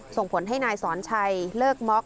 ส่งผลให้นายสอนชัยเลิกม็อก